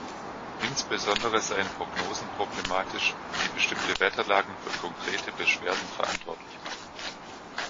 Insbesondere seien Prognosen problematisch, die bestimmte Wetterlagen für konkrete Beschwerden verantwortlich machen.